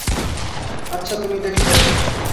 আচ্ছা, তুমি দেখলে?